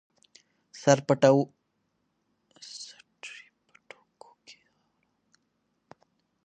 سټریپټوکوکي د غاښونو خرابېدو لامل ګرځي.